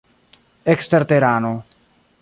eksterterano